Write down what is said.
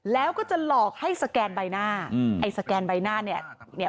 แล้วก็จะหลอกให้สแกนใบหน้าอืมไอ้สแกนใบหน้าเนี่ย